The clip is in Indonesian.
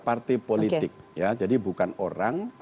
partai politik ya jadi bukan orang